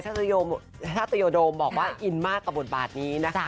ซึ่งพี่ชายชาติโยโดมบอกว่าอินมากกับบทบาทนี้นะคะ